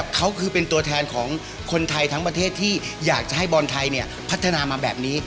เขาคือเป็นตัวแทนของคนไทยทั้งประเทศที่อยากจะให้บอลไทยเนี่ยพัฒนามาแบบนี้